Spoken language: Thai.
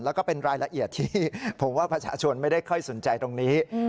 แล้วก็เป็นรายละเอียดที่ผมว่าประชาชนไม่ได้ค่อยสนใจตรงนี้